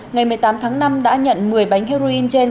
ngày một mươi tám tháng năm đã nhận một mươi bánh heroin trên